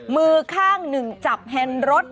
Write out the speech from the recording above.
มือข้างหนึ่งจับแฮนด์รถ